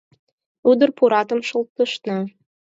Ӱдыр пуратым шолтышна.